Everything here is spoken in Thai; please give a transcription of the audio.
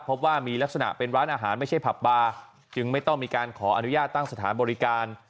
พบว่ามีลักษณะเป็นร้านอาหารไม่ใช่ผับบาร์จึงไม่ต้องมีการขออนุญาตตั้งสถานบริการ